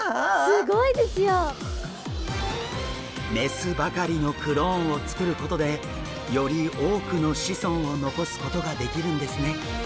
すごいですよ。雌ばかりのクローンをつくることでより多くの子孫を残すことができるんですね。